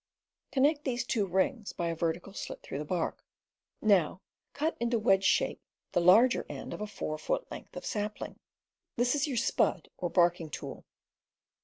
Connect these two rings by a vertical slit through the bark. Now cut into wedge shape the larger end of a four foot length of sapling; this is your 268 CAMPING AND WOODCRAFT "spud" or barking tool.